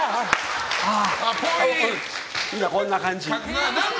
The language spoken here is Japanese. こんな感じ。